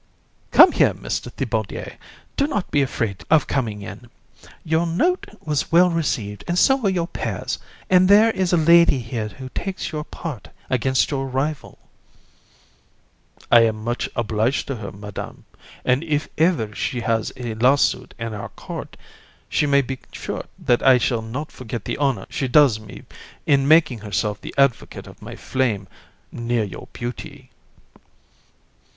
COUN. Come here, Mr. Thibaudier; do not be afraid of coming in. Your note was well received, and so were your pears; and there is a lady here who takes your part against your rival. THI. I am much obliged to her, Madam, and if ever she has a lawsuit in our court, she may be sure that I shall not forget the honour she does me in making herself the advocate of my flame near your beauty.